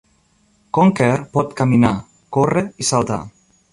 Conker pot caminar, córrer i saltar.